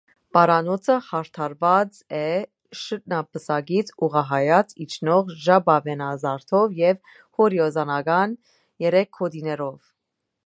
Պարանոցը հարդարված է շրթնապսակից ուղղահայաց իջնող ժապավենազարդով և հորիզոնական երեք գոտիներով։